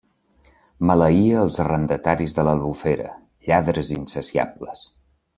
Maleïa els arrendataris de l'Albufera, lladres insaciables.